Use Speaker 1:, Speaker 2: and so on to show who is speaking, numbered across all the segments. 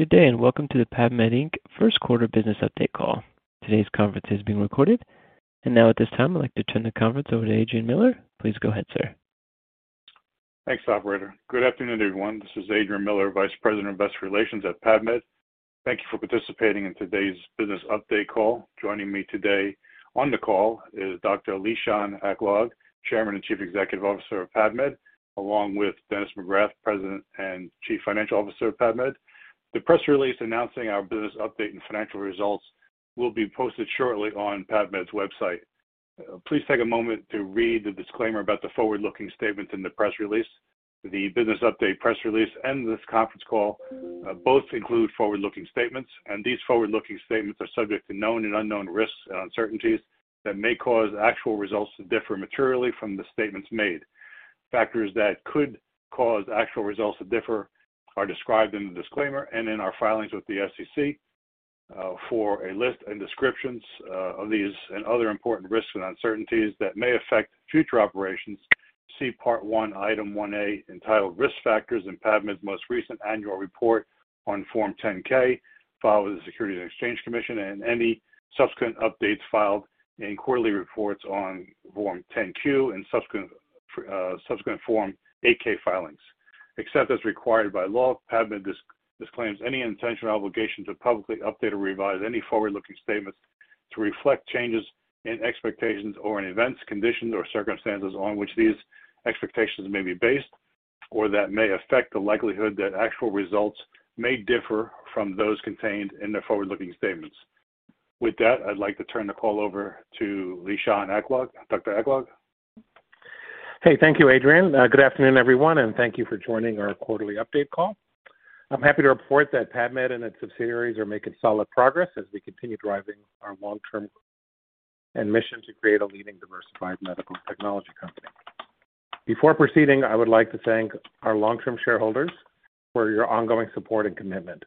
Speaker 1: Good day, and welcome to the PAVmed, Inc. first quarter business update call. Today's conference is being recorded. Now at this time, I'd like to turn the conference over to Adrian Miller. Please go ahead, sir.
Speaker 2: Thanks, operator. Good afternoon, everyone. This is Adrian Miller, Vice President of Investor Relations at PAVmed. Thank you for participating in today's business update call. Joining me today on the call is Dr. Lishan Aklog, Chairman and Chief Executive Officer of PAVmed, along with Dennis McGrath, President and Chief Financial Officer of PAVmed. The press release announcing our business update and financial results will be posted shortly on PAVmed's website. Please take a moment to read the disclaimer about the forward-looking statements in the press release. The business update press release and this conference call both include forward-looking statements, and these forward-looking statements are subject to known and unknown risks and uncertainties that may cause actual results to differ materially from the statements made. Factors that could cause actual results to differ are described in the disclaimer and in our filings with the SEC. For a list and descriptions of these and other important risks and uncertainties that may affect future operations, see Part I, Item 1A, entitled Risk Factors in PAVmed's most recent annual report on Form 10-K, filed with the Securities and Exchange Commission and any subsequent updates filed in quarterly reports on Form 10-Q and subsequent Form 8-K filings. Except as required by law, PAVmed disclaims any intention or obligation to publicly update or revise any forward-looking statements to reflect changes in expectations or in events, conditions, or circumstances on which these expectations may be based or that may affect the likelihood that actual results may differ from those contained in the forward-looking statements. With that, I'd like to turn the call over to Lishan Aklog. Dr. Aklog.
Speaker 3: Hey. Thank you, Adrian. Good afternoon, everyone, and thank you for joining our quarterly update call. I'm happy to report that PAVmed and its subsidiaries are making solid progress as we continue driving our long-term mission to create a leading diversified medical technology company. Before proceeding, I would like to thank our long-term shareholders for your ongoing support and commitment.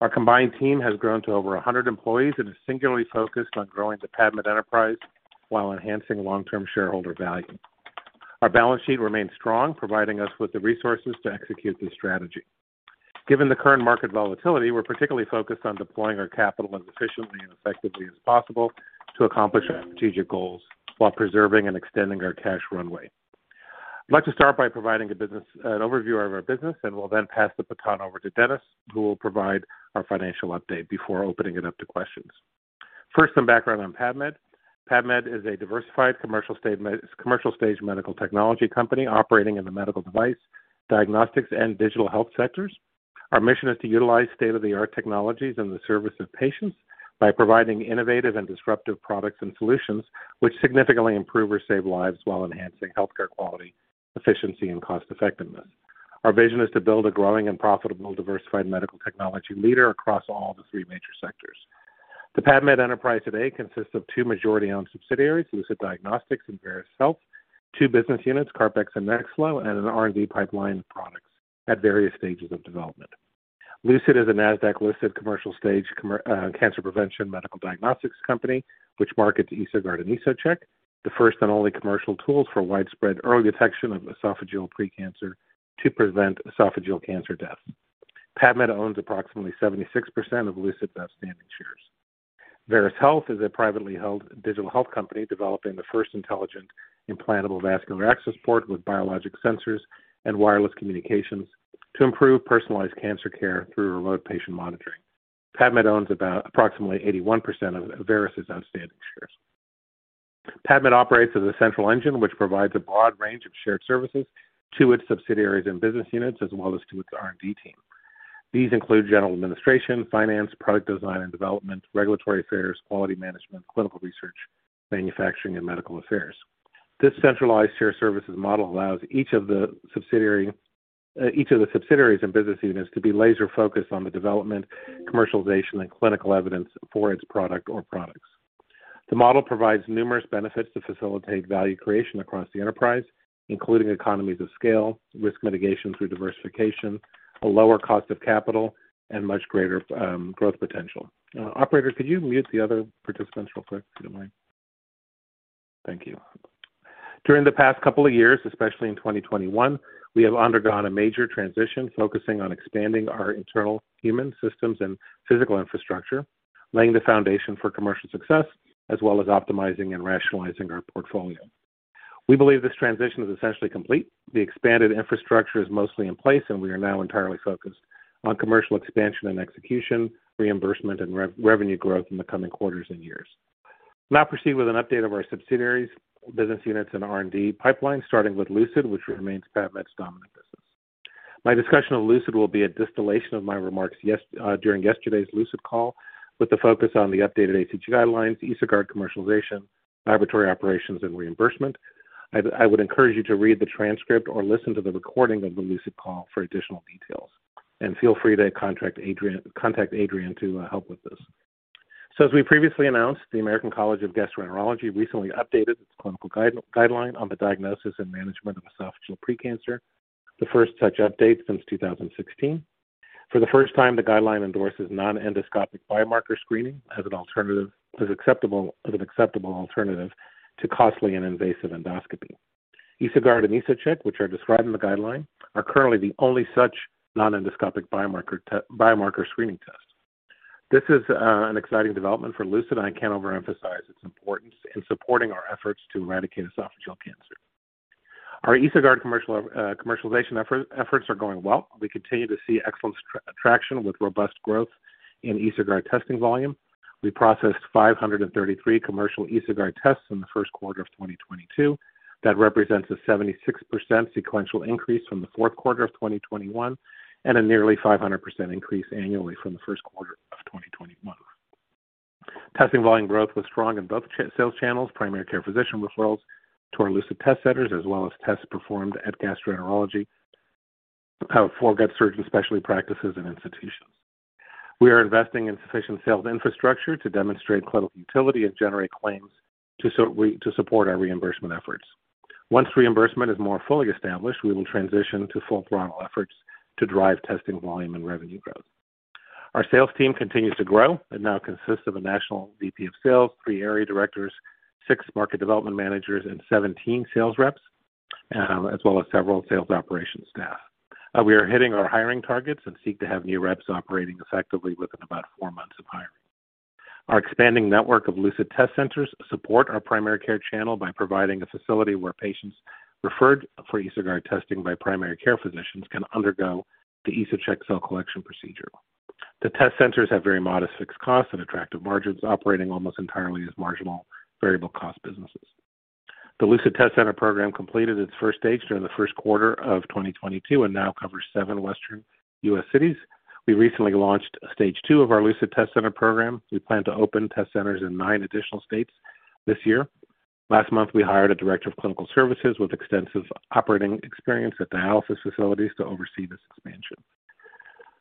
Speaker 3: Our combined team has grown to over 100 employees and is singularly focused on growing the PAVmed enterprise while enhancing long-term shareholder value. Our balance sheet remains strong, providing us with the resources to execute this strategy. Given the current market volatility, we're particularly focused on deploying our capital as efficiently and effectively as possible to accomplish our strategic goals while preserving and extending our cash runway. I'd like to start by providing a business. an overview of our business, and we'll then pass the baton over to Dennis, who will provide our financial update before opening it up to questions. First, some background on PAVmed. PAVmed is a diversified commercial stage medical technology company operating in the medical device, diagnostics, and digital health sectors. Our mission is to utilize state-of-the-art technologies in the service of patients by providing innovative and disruptive products and solutions which significantly improve or save lives while enhancing healthcare quality, efficiency, and cost-effectiveness. Our vision is to build a growing and profitable diversified medical technology leader across all the three major sectors. The PAVmed enterprise today consists of two majority-owned subsidiaries, Lucid Diagnostics and Veris Health, two business units, CarpX and NextFlo, and an R&D pipeline of products at various stages of development. Lucid is a Nasdaq-listed commercial stage cancer prevention medical diagnostics company, which markets EsoGuard and EsoCheck, the first and only commercial tools for widespread early detection of esophageal pre-cancer to prevent esophageal cancer deaths. PAVmed owns approximately 76% of Lucid's outstanding shares. Veris Health is a privately held digital health company developing the first intelligent implantable vascular access port with biologic sensors and wireless communications to improve personalized cancer care through remote patient monitoring. PAVmed owns about approximately 81% of Veris's outstanding shares. PAVmed operates as a central engine, which provides a broad range of shared services to its subsidiaries and business units as well as to its R&D team. These include general administration, finance, product design and development, regulatory affairs, quality management, clinical research, manufacturing, and medical affairs. This centralized shared services model allows each of the subsidiaries and business units to be laser-focused on the development, commercialization, and clinical evidence for its product or products. The model provides numerous benefits to facilitate value creation across the enterprise, including economies of scale, risk mitigation through diversification, a lower cost of capital, and much greater growth potential. Operator, could you mute the other participants real quick, if you don't mind? Thank you. During the past couple of years, especially in 2021, we have undergone a major transition focusing on expanding our internal human systems and physical infrastructure, laying the foundation for commercial success as well as optimizing and rationalizing our portfolio. We believe this transition is essentially complete. The expanded infrastructure is mostly in place, and we are now entirely focused on commercial expansion and execution, reimbursement, and revenue growth in the coming quarters and years. I'll now proceed with an update of our subsidiaries, business units, and R&D pipeline, starting with Lucid, which remains PAVmed's dominant business. My discussion of Lucid will be a distillation of my remarks during yesterday's Lucid call with the focus on the updated ACG guidelines, EsoGuard commercialization, laboratory operations, and reimbursement. I would encourage you to read the transcript or listen to the recording of the Lucid call for additional details. Feel free to contact Adrian to help with this. As we previously announced, the American College of Gastroenterology recently updated its clinical guideline on the diagnosis and management of esophageal pre-cancer, the first such update since 2016. For the first time, the guideline endorses non-endoscopic biomarker screening as an acceptable alternative to costly and invasive endoscopy. EsoGuard and EsoCheck, which are described in the guideline, are currently the only such non-endoscopic biomarker screening tests. This is an exciting development for Lucid. I can't overemphasize its importance in supporting our efforts to eradicate esophageal cancer. Our EsoGuard commercialization efforts are going well. We continue to see excellent traction with robust growth in EsoGuard testing volume. We processed 533 commercial EsoGuard tests in the first quarter of 2022. That represents a 76% sequential increase from the fourth quarter of 2021, and a nearly 500% increase annually from the first quarter of 2021. Testing volume growth was strong in both channel sales channels, primary care physician referrals to our Lucid Test Centers, as well as tests performed at gastroenterology for GI surgeon specialty practices and institutions. We are investing in sufficient sales infrastructure to demonstrate clinical utility and generate claims to support our reimbursement efforts. Once reimbursement is more fully established, we will transition to full throttle efforts to drive testing volume and revenue growth. Our sales team continues to grow and now consists of a national VP of sales, three area directors, six market development managers, and 17 sales reps, as well as several sales operations staff. We are hitting our hiring targets and seek to have new reps operating effectively within about 4 months of hiring. Our expanding network of Lucid Test Centers support our primary care channel by providing a facility where patients referred for EsoGuard testing by primary care physicians can undergo the EsoCheck cell collection procedure. The test centers have very modest fixed costs and attractive margins, operating almost entirely as marginal variable cost businesses. The Lucid Test Center program completed its first stage during the first quarter of 2022 and now covers seven western US cities. We recently launched stage two of our Lucid Test Center program. We plan to open test centers in nine additional states this year. Last month, we hired a director of clinical services with extensive operating experience at dialysis facilities to oversee this expansion.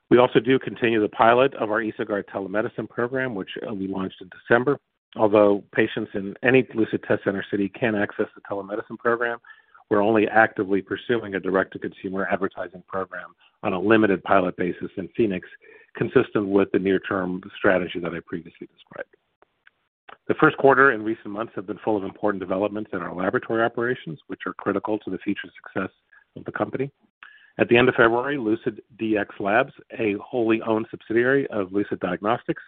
Speaker 3: We also do continue the pilot of our EsoGuard telemedicine program, which, we launched in December. Although patients in any Lucid test center city can access the telemedicine program, we're only actively pursuing a direct-to-consumer advertising program on a limited pilot basis in Phoenix, consistent with the near-term strategy that I previously described. The first quarter and recent months have been full of important developments in our laboratory operations, which are critical to the future success of the company. At the end of February, LucidDx Labs, a wholly-owned subsidiary of Lucid Diagnostics,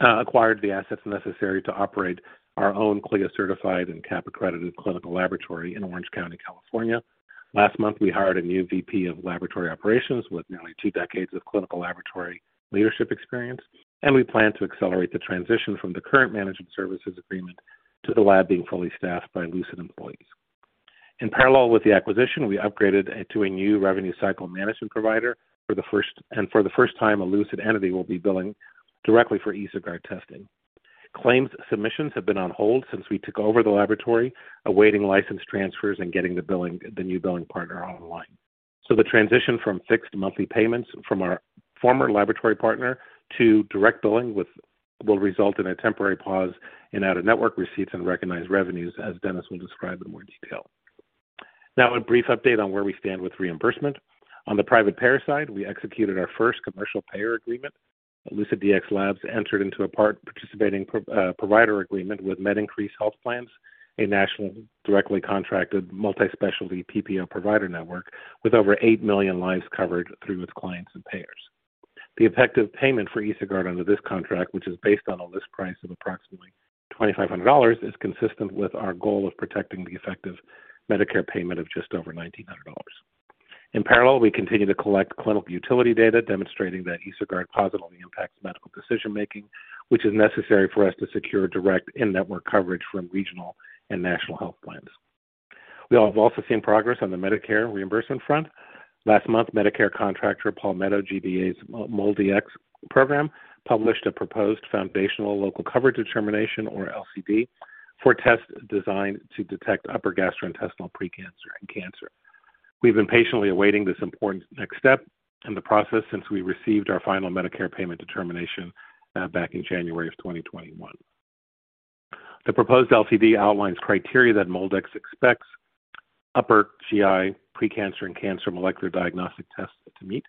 Speaker 3: acquired the assets necessary to operate our own CLIA-certified and CAP-accredited clinical laboratory in Orange County, California. Last month, we hired a new VP of laboratory operations with nearly two decades of clinical laboratory leadership experience, and we plan to accelerate the transition from the current management services agreement to the lab being fully staffed by Lucid employees. In parallel with the acquisition, we upgraded it to a new revenue cycle management provider. For the first time, a Lucid entity will be billing directly for EsoGuard testing. Claims submissions have been on hold since we took over the laboratory, awaiting license transfers and getting the billing, the new billing partner online. The transition from fixed monthly payments from our former laboratory partner to direct billing with, will result in a temporary pause in out-of-network receipts and recognized revenues, as Dennis will describe in more detail. Now, a brief update on where we stand with reimbursement. On the private payer side, we executed our first commercial payer agreement. LucidDx Labs entered into a participating provider agreement with MediNcrease Health Plans, a national directly contracted multi-specialty PPO provider network with over 8 million lives covered through its clients and payers. The effective payment for EsoGuard under this contract, which is based on a list price of approximately $2,500, is consistent with our goal of protecting the effective Medicare payment of just over $1,900. In parallel, we continue to collect clinical utility data demonstrating that EsoGuard positively impacts medical decision-making, which is necessary for us to secure direct in-network coverage from regional and national health plans. We have also seen progress on the Medicare reimbursement front. Last month, Medicare contractor Palmetto GBA's MolDX program published a proposed foundational local coverage determination, or LCD, for tests designed to detect upper gastrointestinal precancer and cancer. We've been patiently awaiting this important next step in the process since we received our final Medicare payment determination back in January 2021. The proposed LCD outlines criteria that MolDX expects upper GI precancer and cancer molecular diagnostic tests to meet.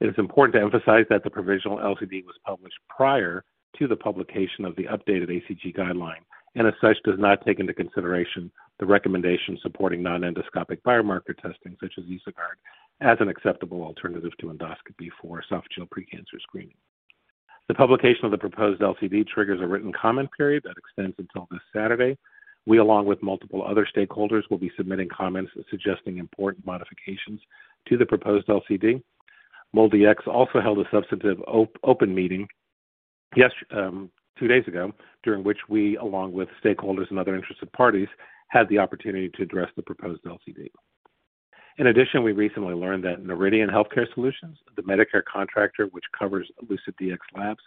Speaker 3: It is important to emphasize that the provisional LCD was published prior to the publication of the updated ACG guideline, and as such, does not take into consideration the recommendation supporting non-endoscopic biomarker testing, such as EsoGuard, as an acceptable alternative to endoscopy for esophageal precancer screening. The publication of the proposed LCD triggers a written comment period that extends until this Saturday. We, along with multiple other stakeholders, will be submitting comments suggesting important modifications to the proposed LCD. MolDX also held a substantive open meeting two days ago, during which we, along with stakeholders and other interested parties, had the opportunity to address the proposed LCD. In addition, we recently learned that Noridian Healthcare Solutions, the Medicare contractor which covers LucidDx Labs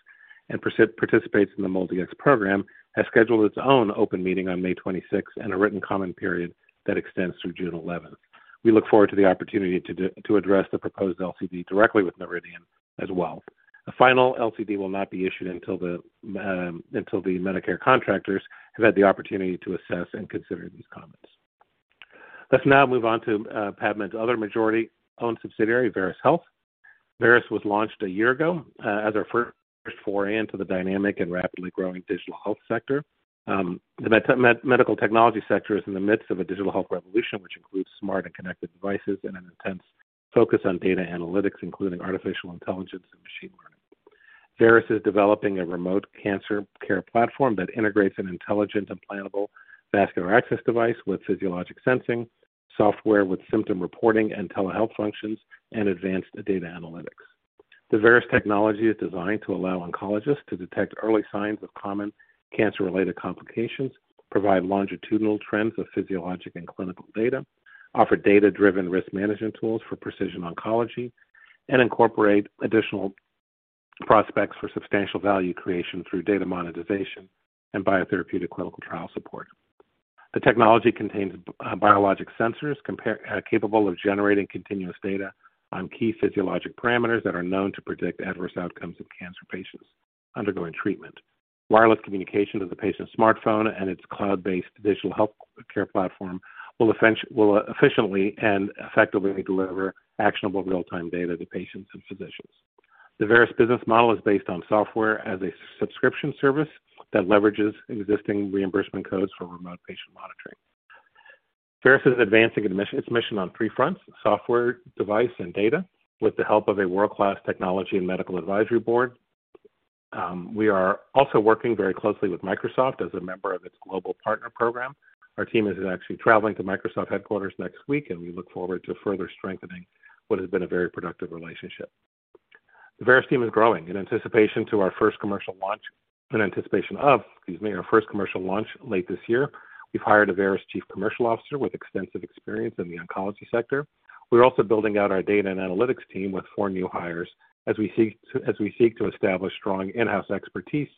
Speaker 3: and participates in the MolDX program, has scheduled its own open meeting on May 26th and a written comment period that extends through June 11th. We look forward to the opportunity to address the proposed LCD directly with Noridian as well. A final LCD will not be issued until the Medicare contractors have had the opportunity to assess and consider these comments. Let's now move on to PAVmed's other majority-owned subsidiary, Veris Health. Veris was launched a year ago as our first foray into the dynamic and rapidly growing digital health sector. The medical technology sector is in the midst of a digital health revolution, which includes smart and connected devices and an intense focus on data analytics, including artificial intelligence and machine learning. Veris is developing a remote cancer care platform that integrates an intelligent, implantable vascular access device with physiologic sensing software with symptom reporting and telehealth functions and advanced data analytics. The Veris technology is designed to allow oncologists to detect early signs of common cancer-related complications, provide longitudinal trends of physiologic and clinical data, offer data-driven risk management tools for precision oncology, and incorporate additional prospects for substantial value creation through data monetization and biotherapeutic clinical trial support. The technology contains biologic sensors capable of generating continuous data on key physiologic parameters that are known to predict adverse outcomes in cancer patients undergoing treatment. Wireless communication to the patient's smartphone and its cloud-based digital healthcare platform will efficiently and effectively deliver actionable real-time data to patients and physicians. The Veris business model is based on software as a subscription service that leverages existing reimbursement codes for remote patient monitoring. Veris is advancing its mission on three fronts, software, device, and data, with the help of a world-class technology and medical advisory board. We are also working very closely with Microsoft as a member of its global partner program. Our team is actually traveling to Microsoft headquarters next week, and we look forward to further strengthening what has been a very productive relationship. The Veris team is growing. In anticipation of our first commercial launch late this year, we've hired a Veris Chief Commercial Officer with extensive experience in the oncology sector. We're also building out our data and analytics team with four new hires as we seek to establish strong in-house expertise,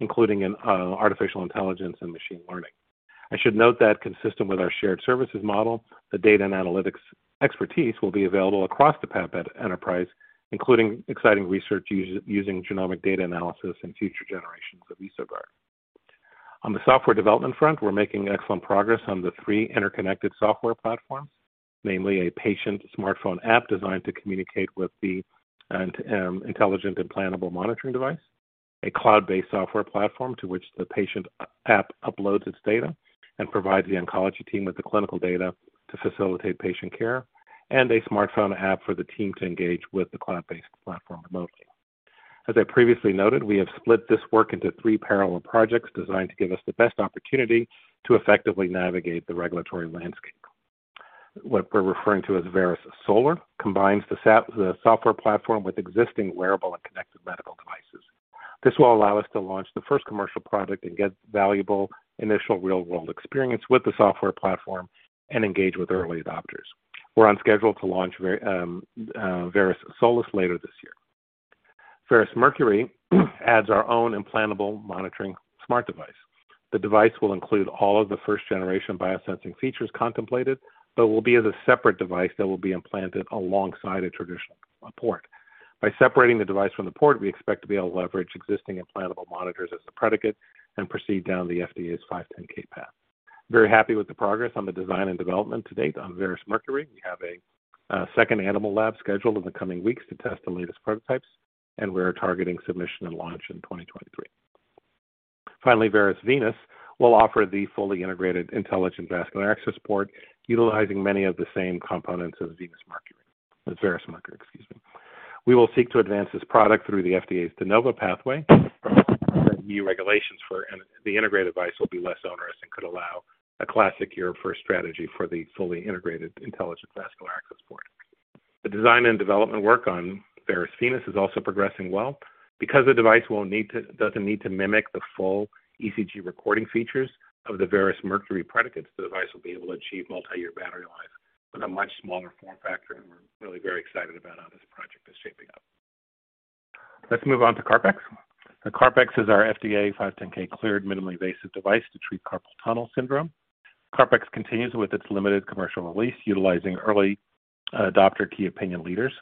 Speaker 3: including in artificial intelligence and machine learning. I should note that consistent with our shared services model, the data and analytics expertise will be available across the PAVmed enterprise, including exciting research using genomic data analysis and future generations of EsoGuard. On the software development front, we're making excellent progress on the three interconnected software platforms, namely a patient smartphone app designed to communicate with the intelligent implantable monitoring device, a cloud-based software platform to which the patient app uploads its data and provides the oncology team with the clinical data to facilitate patient care, and a smartphone app for the team to engage with the cloud-based platform remotely. As I previously noted, we have split this work into three parallel projects designed to give us the best opportunity to effectively navigate the regulatory landscape. What we're referring to as Veris Solar combines the software platform with existing wearable and connected medical devices. This will allow us to launch the first commercial product and get valuable initial real-world experience with the software platform and engage with early adopters. We're on schedule to launch Veris Solar later this year. Veris Mercury adds our own implantable monitoring smart device. The device will include all of the first generation biosensing features contemplated, but will be a separate device that will be implanted alongside a traditional port. By separating the device from the port, we expect to be able to leverage existing implantable monitors as the predicate and proceed down the FDA's 510(k) path. Very happy with the progress on the design and development to date on Veris Mercury. We have a second animal lab scheduled in the coming weeks to test the latest prototypes, and we are targeting submission and launch in 2023. Finally, Veris Venus will offer the fully integrated intelligent vascular access port utilizing many of the same components as Veris Mercury. Veris Mercury, excuse me. We will seek to advance this product through the FDA's De Novo pathway. The new regulations for the integrated device will be less onerous and could allow a six to a year strategy for the fully integrated intelligent vascular access port. The design and development work on Veris Venus is also progressing well. Because the device doesn't need to mimic the full ECG recording features of the Veris Mercury predicates, the device will be able to achieve multi-year battery life with a much smaller form factor, and we're really very excited about how this project is shaping up. Let's move on to CarpX. CarpX is our FDA 510(k) cleared minimally invasive device to treat carpal tunnel syndrome. CarpX continues with its limited commercial release utilizing early adopter key opinion leaders.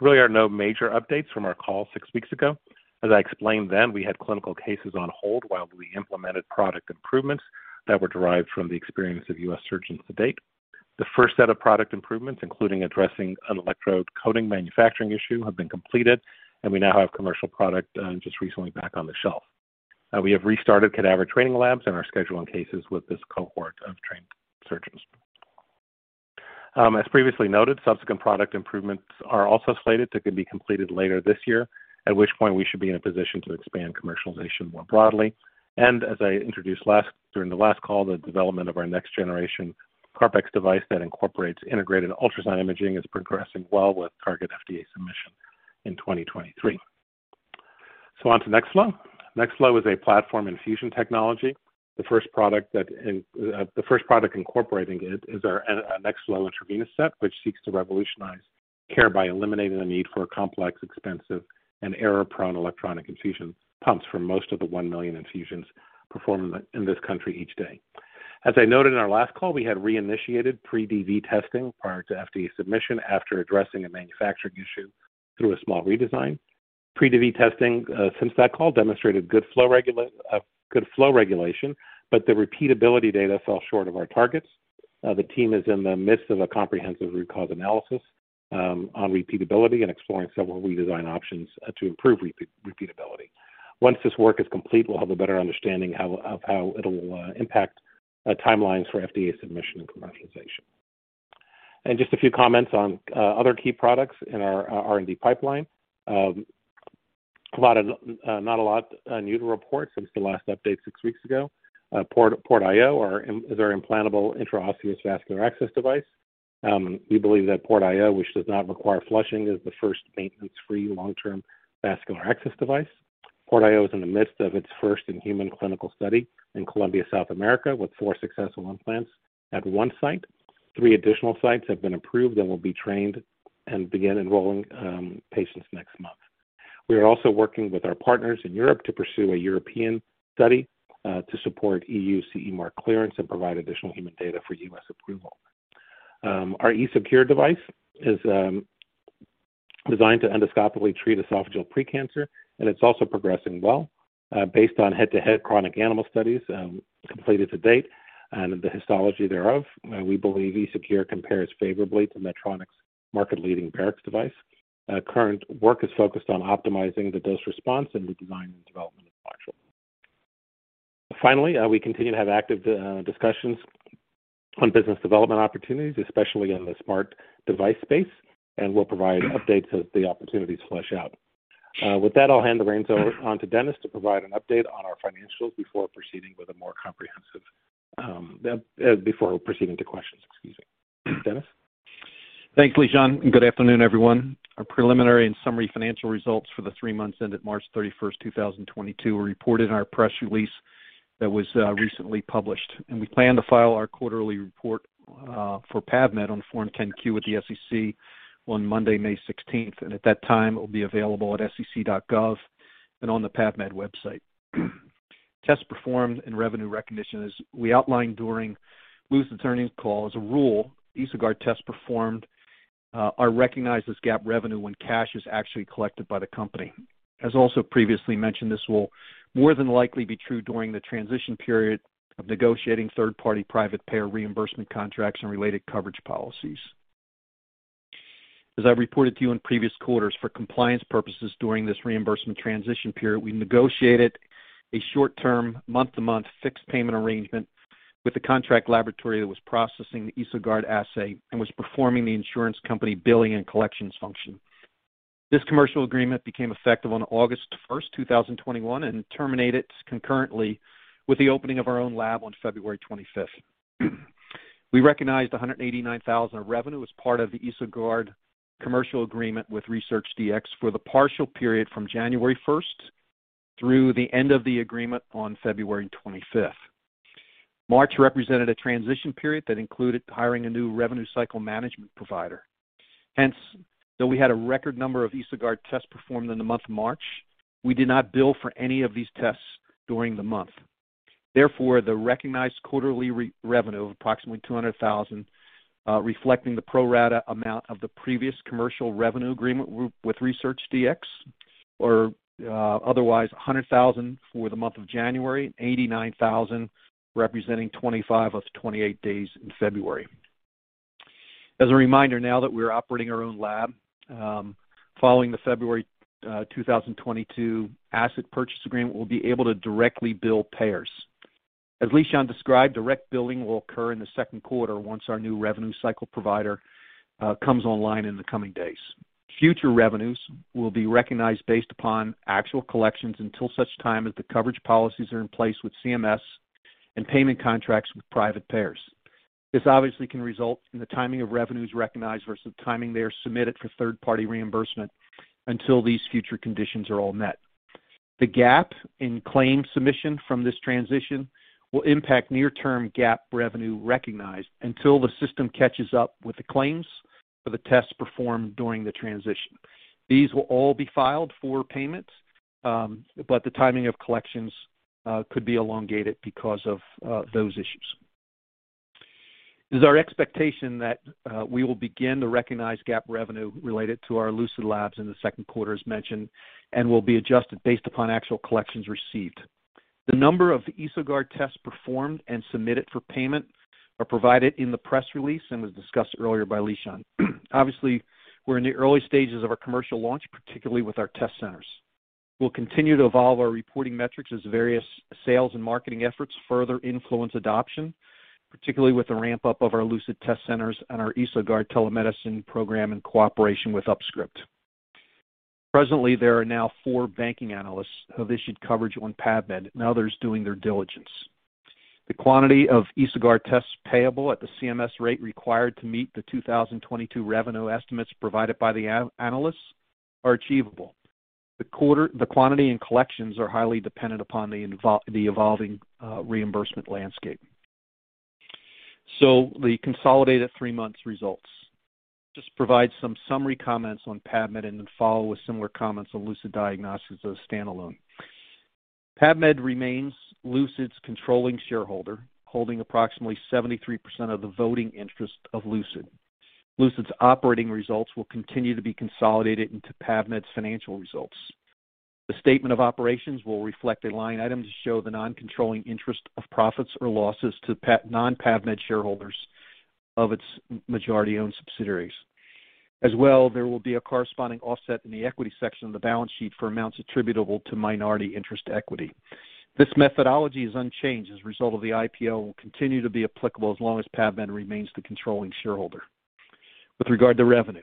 Speaker 3: There really are no major updates from our call six weeks ago. As I explained then, we had clinical cases on hold while we implemented product improvements that were derived from the experience of U.S. surgeons to date. The first set of product improvements, including addressing an electrode coating manufacturing issue, have been completed, and we now have commercial product just recently back on the shelf. We have restarted cadaver training labs and are scheduling cases with this cohort of trained surgeons. As previously noted, subsequent product improvements are also slated to be completed later this year, at which point we should be in a position to expand commercialization more broadly. As I introduced during the last call, the development of our next generation CarpX device that incorporates integrated ultrasound imaging is progressing well with target FDA submission in 2023. On to NextFlo. NextFlo is a platform infusion technology. The first product incorporating it is our NextFlo intravenous set, which seeks to revolutionize care by eliminating the need for complex, expensive, and error-prone electronic infusion pumps for most of the 1 million infusions performed in this country each day. As I noted in our last call, we had reinitiated pre-V&V testing prior to FDA submission after addressing a manufacturing issue through a small redesign. Pre-V&V testing since that call demonstrated good flow regulation, but the repeatability data fell short of our targets. The team is in the midst of a comprehensive root cause analysis on repeatability and exploring several redesign options to improve repeatability. Once this work is complete, we'll have a better understanding of how it'll impact timelines for FDA submission and commercialization. Just a few comments on other key products in our R&D pipeline. Not a lot new to report since the last update six weeks ago. PortIO is our implantable intraosseous vascular access device. We believe that PortIO, which does not require flushing, is the first maintenance-free long-term vascular access device. PortIO is in the midst of its first in-human clinical study in Colombia, South America, with four successful implants at one site. Three additional sites have been approved and will be trained and begin enrolling patients next month. We are also working with our partners in Europe to pursue a European study to support EU CE Mark clearance and provide additional human data for US approval. Our EsoCure device is designed to endoscopically treat esophageal pre-cancer, and it's also progressing well based on head-to-head chronic animal studies completed to date and the histology thereof. We believe EsoCure compares favorably to Medtronic's market-leading Barrx device. Current work is focused on optimizing the dose response and redesign and development module. Finally, we continue to have active discussions on business development opportunities, especially in the smart device space, and we'll provide updates as the opportunities flesh out. With that, I'll hand the reins over to Dennis to provide an update on our financials before proceeding to questions. Excuse me. Dennis.
Speaker 4: Thanks, Lishan, and good afternoon, everyone. Our preliminary and summary financial results for the three months ended March 31, 2022 were reported in our press release that was recently published. We plan to file our quarterly report for PAVmed on Form 10-Q with the SEC on Monday, May 16. At that time, it will be available at sec.gov and on the PAVmed website. Tests performed and revenue recognition as we outlined during Lucid's earnings call. As a rule, EsoGuard tests performed are recognized as GAAP revenue when cash is actually collected by the company. As also previously mentioned, this will more than likely be true during the transition period of negotiating third-party private payer reimbursement contracts and related coverage policies. As I reported to you in previous quarters, for compliance purposes during this reimbursement transition period, we negotiated a short-term, month-to-month fixed payment arrangement with the contract laboratory that was processing the EsoGuard assay and was performing the insurance company billing and collections function. This commercial agreement became effective on August 1, 2021, and terminated concurrently with the opening of our own lab on February 25. We recognized $189,000 revenue as part of the EsoGuard commercial agreement with ResearchDx for the partial period from January 1 through the end of the agreement on February 25. March represented a transition period that included hiring a new revenue cycle management provider. Hence, though we had a record number of EsoGuard tests performed in the month of March, we did not bill for any of these tests during the month. Therefore, the recognized quarterly revenue of approximately $200,000, reflecting the pro rata amount of the previous commercial revenue agreement with ResearchDx, or otherwise $100,000 for the month of January, $89,000 representing 25 of 28 days in February. As a reminder, now that we're operating our own lab, following the February 2022 asset purchase agreement, we'll be able to directly bill payers. As Lishan described, direct billing will occur in the second quarter once our new revenue cycle provider comes online in the coming days. Future revenues will be recognized based upon actual collections until such time as the coverage policies are in place with CMS and payment contracts with private payers. This obviously can result in the timing of revenues recognized versus timing they are submitted for third-party reimbursement until these future conditions are all met. The gap in claim submission from this transition will impact near term gap revenue recognized until the system catches up with the claims for the tests performed during the transition. These will all be filed for payments, but the timing of collections could be elongated because of those issues. It is our expectation that we will begin to recognize GAAP revenue related to our LucidDx Labs in the second quarter as mentioned, and will be adjusted based upon actual collections received. The number of EsoGuard tests performed and submitted for payment are provided in the press release and was discussed earlier by Lishan. Obviously, we're in the early stages of our commercial launch, particularly with our test centers. We'll continue to evolve our reporting metrics as various sales and marketing efforts further influence adoption, particularly with the ramp-up of our Lucid Test Centers and our EsoGuard telemedicine program in cooperation with UpScript. Presently, there are now four banking analysts who have issued coverage on PAVmed and others doing their diligence. The quantity of EsoGuard tests payable at the CMS rate required to meet the 2022 revenue estimates provided by the analysts are achievable. The quantity and collections are highly dependent upon the evolving reimbursement landscape. The consolidated three months results. Just provide some summary comments on PAVmed and then follow with similar comments on Lucid Diagnostics as a standalone. PAVmed remains Lucid's controlling shareholder, holding approximately 73% of the voting interest of Lucid. Lucid's operating results will continue to be consolidated into PAVmed's financial results. The statement of operations will reflect a line item to show the non-controlling interest of profits or losses to non-PAVmed shareholders of its majority-owned subsidiaries. As well, there will be a corresponding offset in the equity section of the balance sheet for amounts attributable to minority interest equity. This methodology is unchanged as a result of the IPO and will continue to be applicable as long as PAVmed remains the controlling shareholder. With regard to revenue,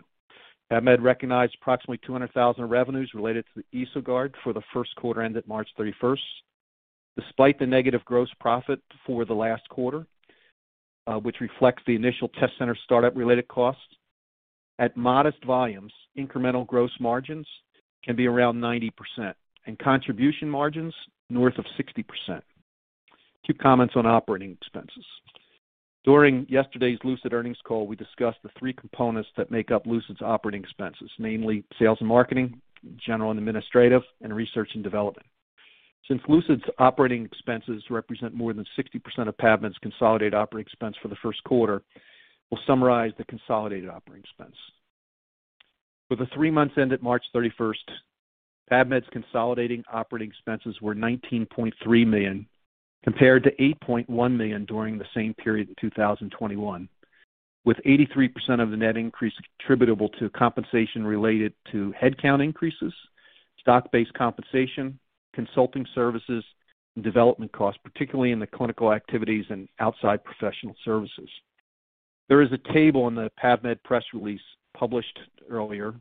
Speaker 4: PAVmed recognized approximately $200,000 revenues related to the EsoGuard for the first quarter ended March 31. Despite the negative gross profit for the last quarter, which reflects the initial test center startup related costs. At modest volumes, incremental gross margins can be around 90% and contribution margins north of 60%. A few comments on operating expenses. During yesterday's Lucid earnings call, we discussed the three components that make up Lucid's operating expenses, namely sales and marketing, general and administrative, and research and development. Since Lucid's operating expenses represent more than 60% of PAVmed's consolidated operating expense for the first quarter, we'll summarize the consolidated operating expense. For the three months ended March 31, PAVmed's consolidated operating expenses were $19.3 million, compared to $8.1 million during the same period in 2021, with 83% of the net increase attributable to compensation related to headcount increases, stock-based compensation, consulting services, and development costs, particularly in the clinical activities and outside professional services. There is a table in the PAVmed press release published earlier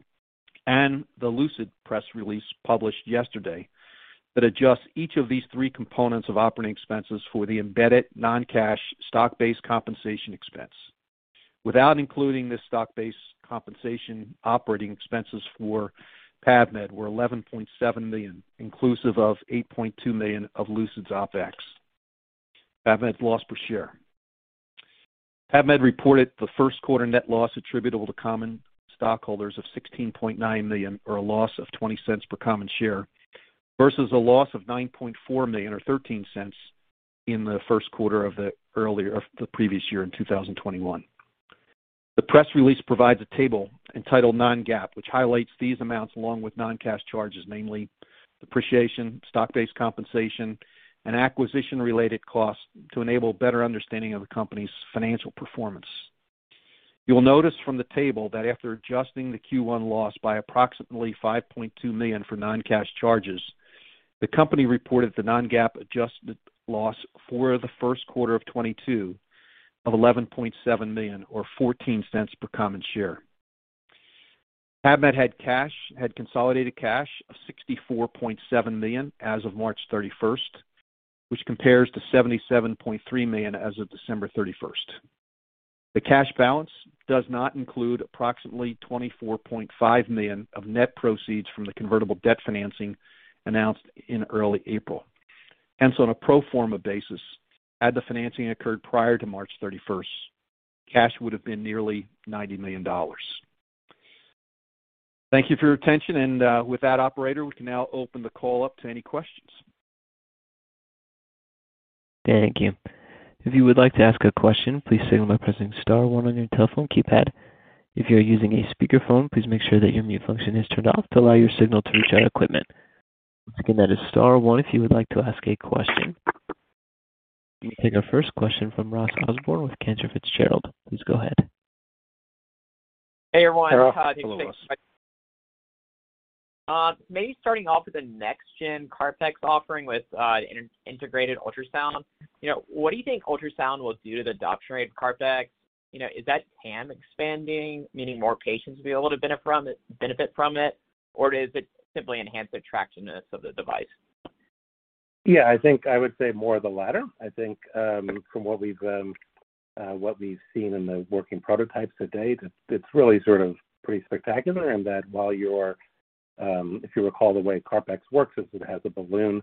Speaker 4: and the Lucid press release published yesterday that adjusts each of these three components of operating expenses for the embedded non-cash stock-based compensation expense. Without including this stock-based compensation, operating expenses for PAVmed were $11.7 million, inclusive of $8.2 million of Lucid's OpEx. PAVmed's loss per share. PAVmed reported the first quarter net loss attributable to common stockholders of $16.9 million, or a loss of $0.20 per common share, versus a loss of $9.4 million or $0.13 in the first quarter of the previous year in 2021. The press release provides a table entitled non-GAAP, which highlights these amounts along with non-cash charges, namely depreciation, stock-based compensation, and acquisition-related costs to enable better understanding of the company's financial performance. You will notice from the table that after adjusting the Q1 loss by approximately $5.2 million for non-cash charges, the company reported the non-GAAP adjusted loss for the first quarter of 2022 of $11.7 million or $0.14 per common share. PAVmed had consolidated cash of $64.7 million as of March 31, which compares to $77.3 million as of December 31. The cash balance does not include approximately $24.5 million of net proceeds from the convertible debt financing announced in early April. On a pro forma basis, had the financing occurred prior to March 31, cash would have been nearly $90 million. Thank you for your attention. With that operator, we can now open the call up to any questions.
Speaker 1: Thank you. If you would like to ask a question, please signal by pressing star one on your telephone keypad. If you are using a speakerphone, please make sure that your mute function is turned off to allow your signal to reach our equipment. Again, that is star one if you would like to ask a question. We'll take our first question from Ross Osborn with Cantor Fitzgerald. Please go ahead.
Speaker 5: Hey, everyone.
Speaker 3: Hello, Ross.
Speaker 5: Maybe starting off with the next gen CarpX offering with an integrated ultrasound. You know, what do you think ultrasound will do to the adoption rate of CarpX? You know, is that TAM expanding, meaning more patients will be able to benefit from it? Or does it simply enhance the attractiveness of the device?
Speaker 3: Yeah, I think I would say more of the latter. I think from what we've seen in the working prototypes to date, it's really sort of pretty spectacular in that while you're if you recall the way CarpX works is it has a balloon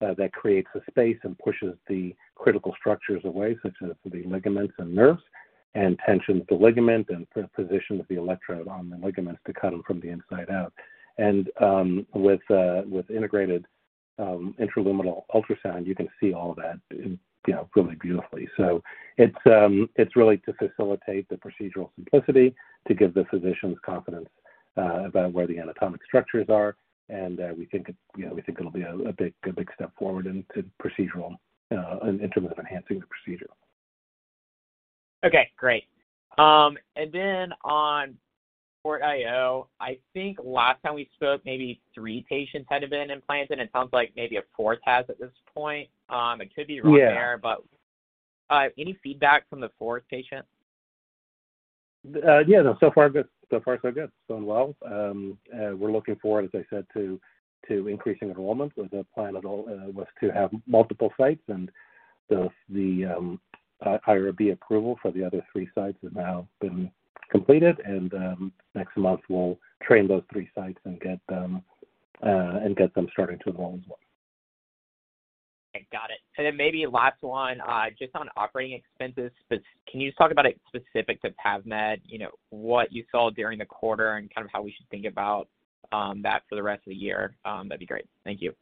Speaker 3: that creates a space and pushes the critical structures away, such as the ligaments and nerves, and tensions the ligament and positions the electrode on the ligaments to cut them from the inside out. With integrated intraluminal ultrasound, you can see all that, you know, really beautifully. It's really to facilitate the procedural simplicity to give the physicians confidence about where the anatomic structures are. We think it'll be, you know, a big step forward in terms of enhancing the procedure.
Speaker 5: Okay, great. On PortIO, I think last time we spoke maybe three patients had been implanted. It sounds like maybe a fourth has at this point. I could be wrong there.
Speaker 3: Yeah.
Speaker 5: Any feedback from the fourth patient?
Speaker 3: Yeah, no, so far so good. It's going well. We're looking forward, as I said, to increasing enrollment. The plan all along was to have multiple sites and the IRB approval for the other three sites has now been completed. Next month we'll train those three sites and get them starting to enroll as well.
Speaker 5: I got it. Maybe last one, just on operating expenses. Can you just talk about it specific to PAVmed, you know, what you saw during the quarter and kind of how we should think about that for the rest of the year, that'd be great. Thank you.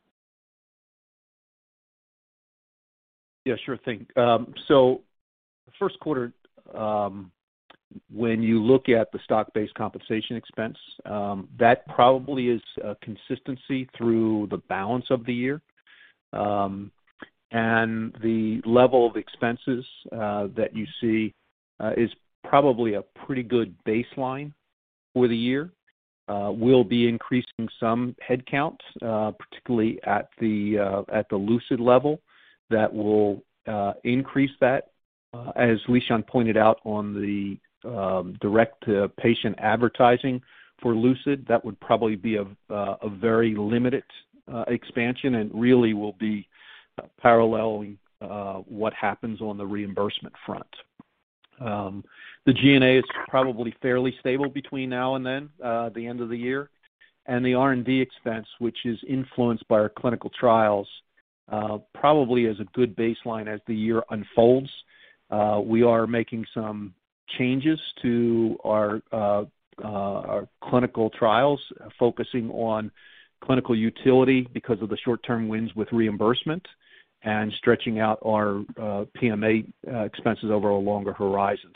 Speaker 3: Yeah, sure thing. First quarter, when you look at the stock-based compensation expense, that probably is consistent through the balance of the year. The level of expenses that you see is probably a pretty good baseline for the year. We'll be increasing some headcounts, particularly at the Lucid level that will increase that. As Lishan pointed out on the direct patient advertising for Lucid, that would probably be a very limited expansion and really will be paralleling what happens on the reimbursement front. The G&A is probably fairly stable between now and the end of the year. The R&D expense, which is influenced by our clinical trials, probably is a good baseline as the year unfolds. We are making some changes to our clinical trials, focusing on clinical utility because of the short-term wins with reimbursement and stretching out our PMA expenses over a longer horizon.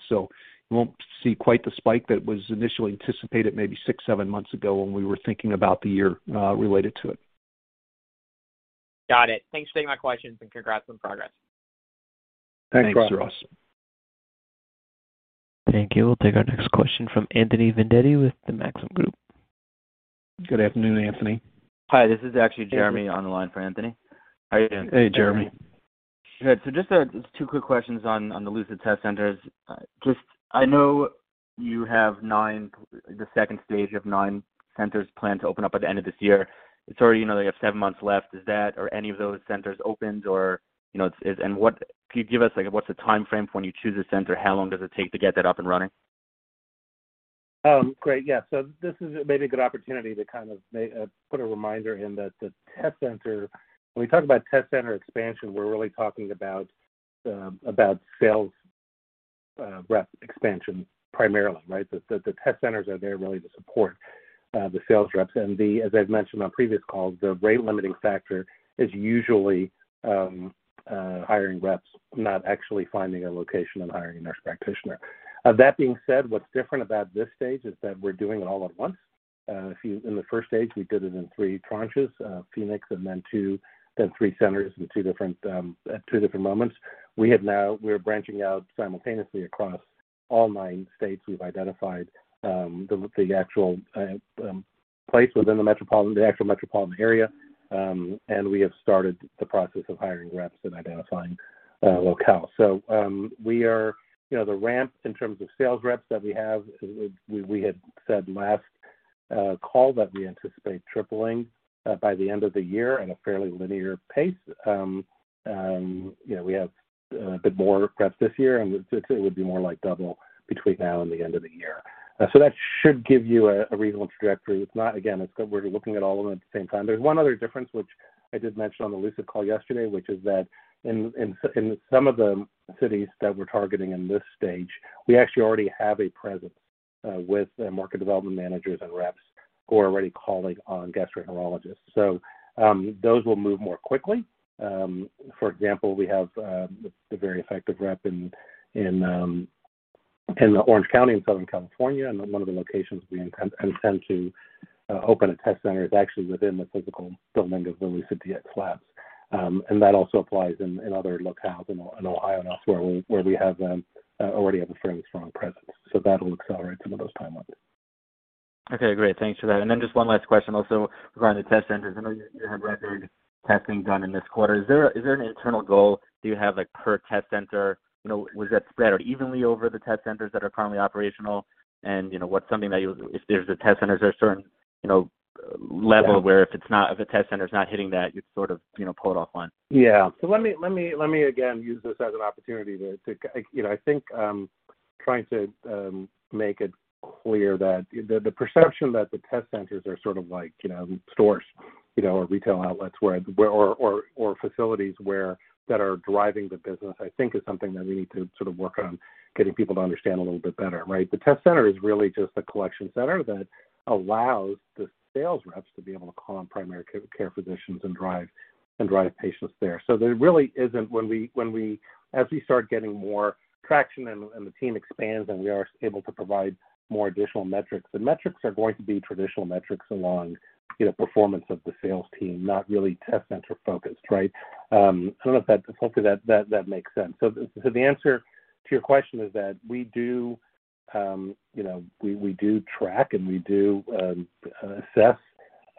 Speaker 3: You won't see quite the spike that was initially anticipated maybe 6, 7 months ago when we were thinking about the year related to it.
Speaker 5: Got it. Thanks for taking my questions, and congrats on progress.
Speaker 3: Thanks, Ross.
Speaker 1: Thank you. We'll take our next question from Anthony Vendetti with the Maxim Group.
Speaker 3: Good afternoon, Anthony.
Speaker 6: Hi, this is actually Jeremy on the line for Anthony. How are you doing?
Speaker 3: Hey, Jeremy.
Speaker 6: Good. Just two quick questions on the Lucid Test Centers. Just, I know you have 9. The second stage, you have 9 centers planned to open up at the end of this year. It's already, you know, they have 7 months left. Is that or any of those centers opened or, you know, is. And what can you give us, like, what's the timeframe for when you choose a center? How long does it take to get that up and running?
Speaker 3: This is maybe a good opportunity to put a reminder in that the test centers. When we talk about test center expansion, we're really talking about sales rep expansion primarily, right? The test centers are there really to support the sales reps. As I've mentioned on previous calls, the rate limiting factor is usually hiring reps, not actually finding a location and hiring a nurse practitioner. That being said, what's different about this stage is that we're doing it all at once. In the first stage, we did it in three tranches, Phoenix and then two, then three centers in two different moments. We're branching out simultaneously across all nine states. We've identified the actual place within the metropolitan area, and we have started the process of hiring reps and identifying locale. We are, you know, the ramp in terms of sales reps that we have. We had said last call that we anticipate tripling by the end of the year at a fairly linear pace. You know, we have a bit more reps this year, and it would be more like double between now and the end of the year. That should give you a reasonable trajectory. We're looking at all of them at the same time. There's one other difference, which I did mention on the Lucid call yesterday, which is that in some of the cities that we're targeting in this stage, we actually already have a presence with the market development managers and reps who are already calling on gastroenterologists. Those will move more quickly. For example, we have the very effective rep in Orange County in Southern California. One of the locations we intend to open a test center is actually within the physical building of the LucidDx Labs. That also applies in other locales in Ohio and elsewhere where we already have a fairly strong presence. That'll accelerate some of those timelines.
Speaker 6: Okay. Great. Thanks for that. Just one last question also regarding the test centers. I know you have record testing done in this quarter. Is there an internal goal? Do you have like per test center? You know, was that spread evenly over the test centers that are currently operational? You know, what's something that you. If there's a test center, is there a certain, you know, level.
Speaker 3: Yeah.
Speaker 6: If a test center is not hitting that, you sort of, you know, pull it offline.
Speaker 3: Yeah. Let me again use this as an opportunity to. You know, I think trying to make it clear that the perception that the test centers are sort of like, you know, stores, you know, or retail outlets where or facilities where that are driving the business, I think is something that we need to sort of work on getting people to understand a little bit better, right? The test center is really just a collection center that allows the sales reps to be able to call on primary care physicians and drive patients there. So there really isn't. As we start getting more traction and the team expands, and we are able to provide more additional metrics. The metrics are going to be traditional metrics along, you know, performance of the sales team, not really test center focused, right? Hopefully that makes sense. The answer to your question is that we do, you know, we do track and we do assess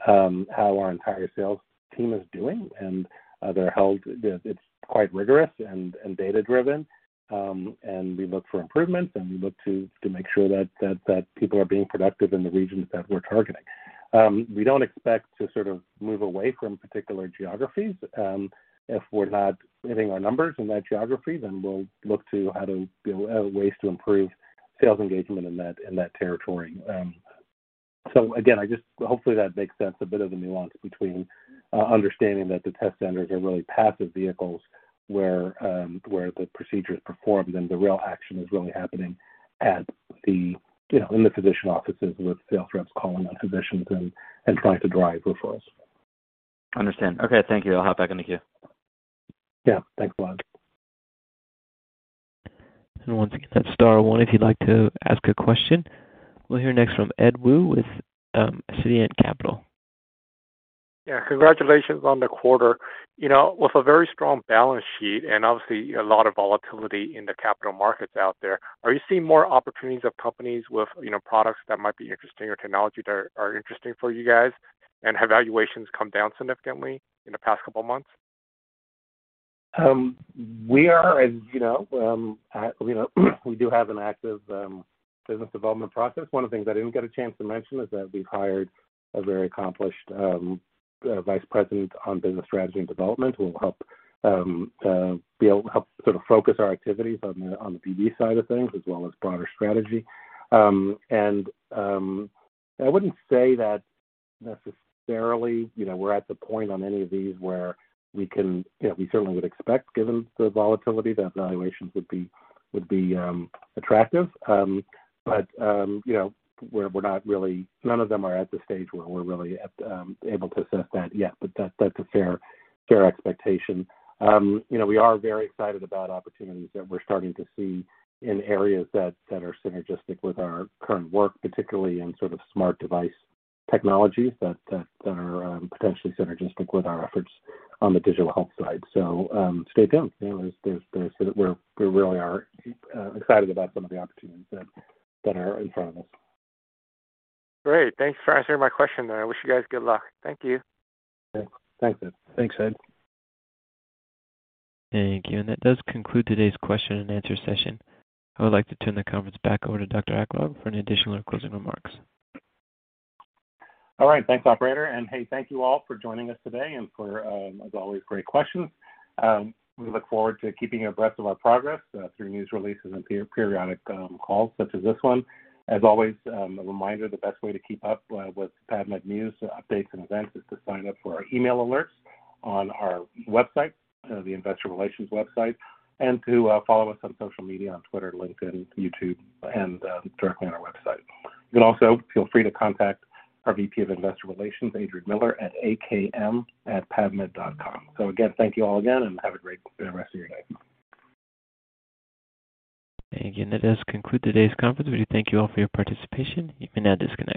Speaker 3: how our entire sales team is doing and it's quite rigorous and data-driven. We look for improvements, and we look to make sure that people are being productive in the regions that we're targeting. We don't expect to sort of move away from particular geographies. If we're not hitting our numbers in that geography, then we'll look to how to build ways to improve sales engagement in that territory. Again, hopefully that makes sense, a bit of the nuance between understanding that the test centers are really passive vehicles where the procedure is performed and the real action is really happening at the, you know, in the physician offices with sales reps calling on physicians and trying to drive referrals.
Speaker 6: Understand. Okay, thank you. I'll hop back in the queue.
Speaker 3: Yeah, thanks a lot.
Speaker 1: Once again, that's star one if you'd like to ask a question. We'll hear next from Edward Woo with Ascendiant Capital Markets.
Speaker 7: Yeah. Congratulations on the quarter. You know, with a very strong balance sheet and obviously a lot of volatility in the capital markets out there, are you seeing more opportunities of companies with, you know, products that might be interesting or technology that are interesting for you guys? Have valuations come down significantly in the past couple months?
Speaker 3: We are, as you know, you know, we do have an active business development process. One of the things I didn't get a chance to mention is that we've hired a very accomplished vice president on business strategy and development, who will be able to help sort of focus our activities on the BD side of things as well as broader strategy. I wouldn't say that necessarily, you know, we're at the point on any of these where we can. You know, we certainly would expect, given the volatility, that valuations would be attractive. You know, we're not really, none of them are at the stage where we're really able to assess that yet. That's a fair expectation. You know, we are very excited about opportunities that we're starting to see in areas that are synergistic with our current work, particularly in sort of smart device technologies that are potentially synergistic with our efforts on the digital health side. Stay tuned. You know, we really are excited about some of the opportunities that are in front of us.
Speaker 7: Great. Thanks for answering my question. I wish you guys good luck. Thank you.
Speaker 3: Yeah. Thanks, Ed.
Speaker 1: Thank you. That does conclude today's question-and-answer session. I would like to turn the conference back over to Dr. Lishan Aklog for any additional closing remarks.
Speaker 3: All right. Thanks, operator. Hey, thank you all for joining us today and for, as always, great questions. We look forward to keeping you abreast of our progress through news releases and periodic calls such as this one. As always, a reminder, the best way to keep up with PAVmed news, updates, and events is to sign up for our email alerts on our website, the investor relations website, and to follow us on social media on Twitter, LinkedIn, YouTube, and directly on our website. You can also feel free to contact our VP of Investor Relations, Adrian Miller, at AKM@pavmed.com. Again, thank you all again, and have a great rest of your day.
Speaker 1: Again, that does conclude today's conference. We thank you all for your participation. You may now disconnect.